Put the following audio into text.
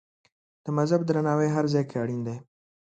د مذهب درناوی هر ځای کې اړین دی.